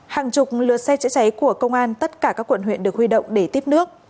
hàng chục lượt xe chữa cháy của công an tất cả các quận huyện được huy động để tiếp nước